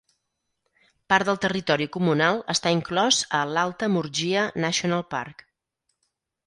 Part del territori comunal està inclòs a l"Alta Murgia National Park.